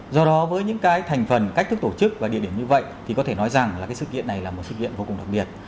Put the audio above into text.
do đó với những cái thành phần cách thức tổ chức và địa điểm như vậy thì có thể nói rằng là cái sự kiện này là một sự kiện vô cùng đặc biệt